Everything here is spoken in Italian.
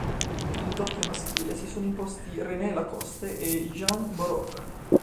Nel doppio maschile si sono imposti René Lacoste e Jean Borotra.